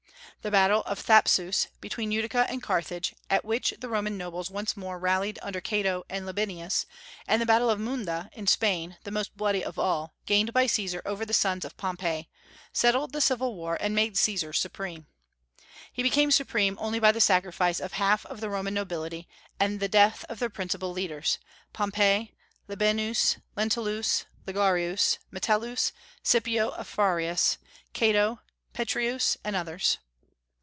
The battle of Thapsus, between Utica and Carthage, at which the Roman nobles once more rallied under Cato and Labienus, and the battle of Munda, in Spain, the most bloody of all, gained by Caesar over the sons of Pompey, settled the civil war and made Caesar supreme. He became supreme only by the sacrifice of half of the Roman nobility and the death of their principal leaders, Pompey, Labienus, Lentulus, Ligarius, Metellus, Scipio Afrarius, Cato, Petreius, and others.